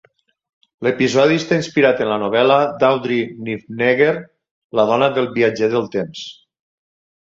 L'episodi està inspirat en la novel·la d'Audrey Niffenegger "La dona del viatger del temps".